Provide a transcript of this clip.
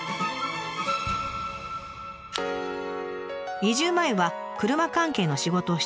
移住前は車関係の仕事をしていた健吾さん。